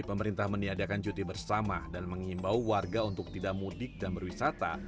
pemerintah meniadakan cuti bersama dan mengimbau warga untuk tidak mudik dan berwisata